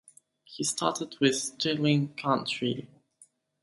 He started with Stirling County.